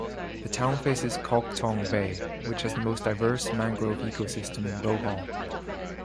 The town faces Cogtong Bay which has the most diverse mangrove ecosystem in Bohol.